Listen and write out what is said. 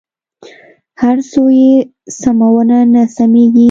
که هر څو یې سمومه نه سمېږي.